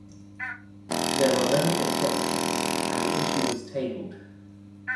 There were many objections and the issue was tabled.